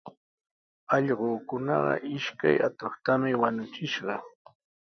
Allquukunaqa ishkay atuqtami wañuchishqa.